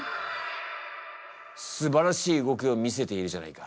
すばらしい動きを見せているじゃないか。